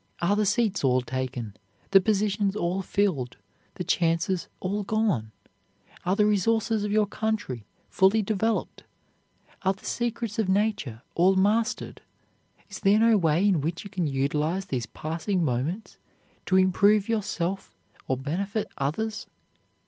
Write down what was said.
Are the seats all taken? the positions all filled? the chances all gone? Are the resources of your country fully developed? Are the secrets of nature all mastered? Is there no way in which you can utilize these passing moments to improve yourself or benefit others?